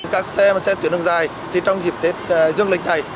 các xe mà xe tuyển đường dài thì trong dịp tết dương lịch thầy